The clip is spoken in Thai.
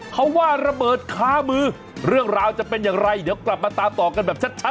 เขาว่าระเบิดค้ามือเรื่องราวจะเป็นอย่างไรเดี๋ยวกลับมาตามต่อกันแบบชัด